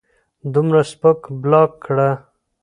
دومره سپک بلاک کړۀ